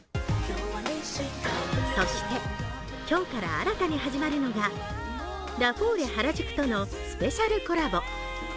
そして、今日から新たに始まるのが、ラフォーレ原宿とのスペシャルコラボ。